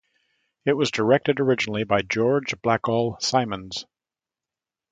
It was directed originally by George Blackall Simonds.